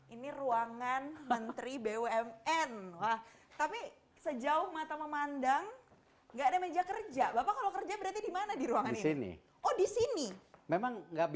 ini keren organizasi